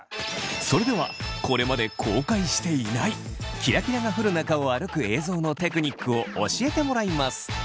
それではこれまで公開していないキラキラが降る中を歩く映像のテクニックを教えてもらいます。